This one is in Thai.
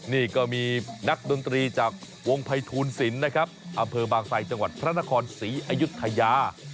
นี่ก็มีนักดนตรีจากวงภัยทูลศิลป์นะครับอำเภอบางไซจังหวัดพระนครศรีอยุธยา